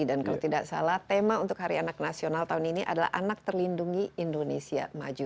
dan kalau tidak salah tema untuk hari anak nasional tahun ini adalah anak terlindungi indonesia maju